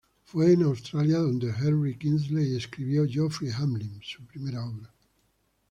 Fue en Australia donde Henry Kingsley escribió "Geoffrey Hamlin", su primera obra.